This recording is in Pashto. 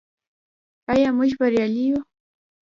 آیا موږ بریالي یو؟